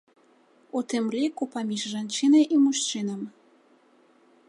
У тым ліку паміж жанчынай і мужчынам.